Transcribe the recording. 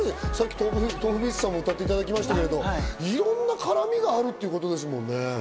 ｔｏｆｕｂｅａｔｓさんも歌っていただきましたけど、いろんな絡みがあるってことですもんね。